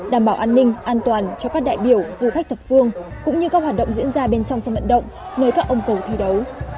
đảm bảo an ninh an toàn cho các đại biểu du khách thập phương cũng như các hoạt động diễn ra bên trong sân vận động nơi các ông cầu thi đấu